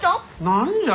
何じゃ？